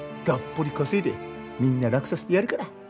がっぽり稼いでみんな楽させてやるから。